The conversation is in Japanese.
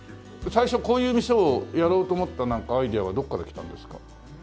最初こういう店をやろうと思ったなんかアイデアはどこからきたんですか？